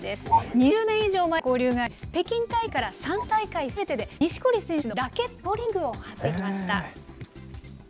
２０年以上前から交流があり、北京大会から３大会すべてで、錦織選手のラケットのストリングを張ってきました。